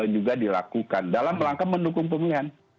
juga dilakukan dalam rangka mendukung pemilihan